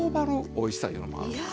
おいしさいうのもあるんですよ。